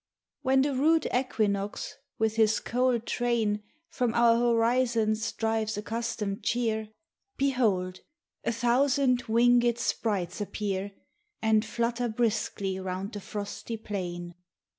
When the rude Equinox, with his cold train From our horizons drives accustomed cheer, Behold! a thousand winged sprites appear And flutter briskly round the frosty plain.